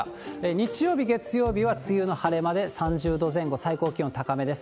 日曜日、月曜日は梅雨の晴れ間で３０度前後、最高気温高めです。